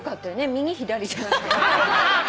右左じゃなくてね。